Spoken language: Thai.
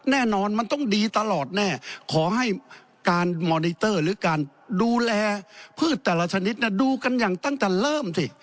แน่นอนมันต้องดีตลอดแน่ขอให้การดูแลพืชแต่ละชนิดดูอย่างกับตั้งแต่เริ่ม